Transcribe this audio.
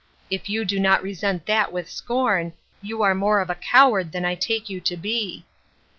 If you do not resent that with scorn, you are more of a coward than I take you to be."